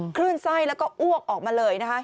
คลื่นไส้แล้วก็อ้วกออกมาเลยนะคะ